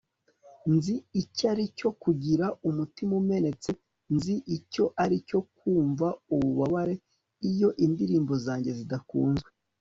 nzi icyo ari cyo kugira umutima umenetse nzi icyo ari cyo kumva ububabare iyo indirimbo zanjye zidakunzwe